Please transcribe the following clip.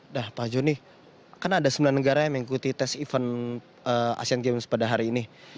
dah pak joni kan ada sembilan negara yang mengikuti tes event asian games pada hari ini